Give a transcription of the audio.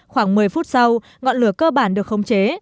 khoảng một mươi phút sau ngọn lửa cơ bản được khống chế